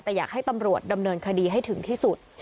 แต่อยากให้ตำรวจดำเนินคดีให้ถึงที่สุด